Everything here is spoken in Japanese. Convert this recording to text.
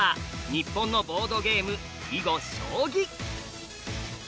日本のボードゲーム囲碁将棋」。